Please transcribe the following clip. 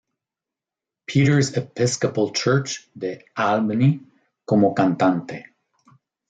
Peter's Episcopal Church de Albany como cantante.